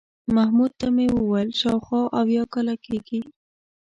محمود ته مې وویل شاوخوا اویا کاله کېږي.